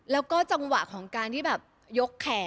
แล้วก็จังหวะของการที่แบบยกแขน